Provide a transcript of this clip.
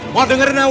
mona dengerin aku